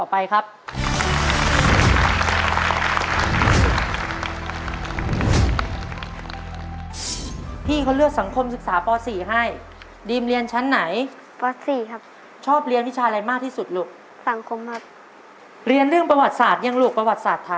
พร้อมครับ